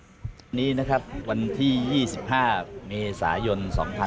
วันนี้นะครับวันที่๒๕เมษายน๒๕๖๒